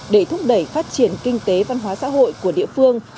để thúc đẩy phát triển kinh tế văn hóa xã hội của địa phương